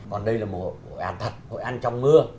còn đây là một hội an thật hội an trong mưa